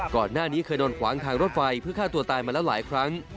ก่อนหน้านี้เคยโดนขวางทางรถไฟเพื่อฆ่าตัวตายมาแล้วหลายครั้ง